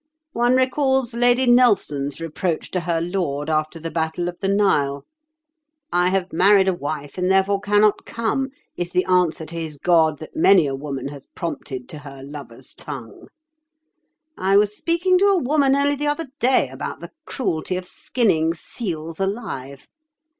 One recalls Lady Nelson's reproach to her lord after the battle of the Nile. 'I have married a wife, and therefore cannot come,' is the answer to his God that many a woman has prompted to her lover's tongue. I was speaking to a woman only the other day about the cruelty of skinning seals alive.